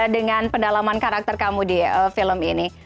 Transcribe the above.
dengan pendalaman karakter kamu di film ini